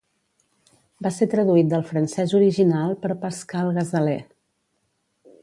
Va ser traduït del francès original per Pascale Ghazaleh.